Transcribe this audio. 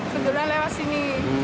sebenarnya lewat sini